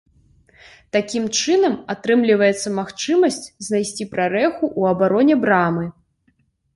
Такім чынам атрымліваецца магчымасць знайсці прарэху ў абароне брамы.